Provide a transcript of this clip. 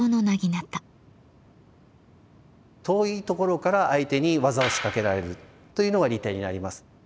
遠いところから相手に技を仕掛けられるというのが利点になります。